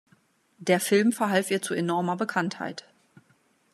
Der Film verhalf ihr zu enormer Bekanntheit.